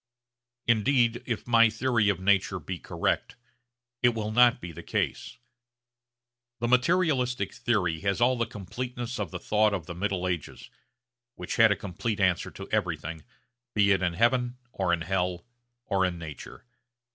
Indeed if my theory of nature be correct, it will not be the case. The materialistic theory has all the completeness of the thought of the middle ages, which had a complete answer to everything, be it in heaven or in hell or in nature.